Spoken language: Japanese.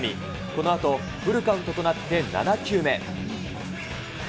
このあと、フルカウントとなって７球目。